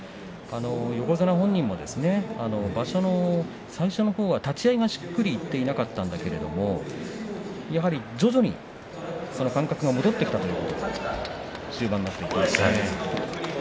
横綱本人も場所の最初のほうは立ち合いがしっくりいっていなかったんだけれどもやはり徐々に感覚が戻ってきたと中盤辺りで言っていました。